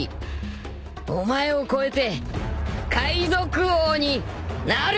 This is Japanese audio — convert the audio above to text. お前を超えて海賊王になる男だ！